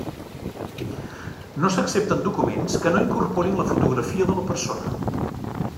No s'accepten documents que no incorporin la fotografia de la persona.